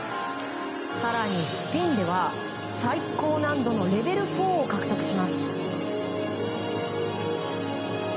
更にスピンでは、最高難度のレベル４を獲得します。